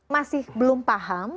masih belum paham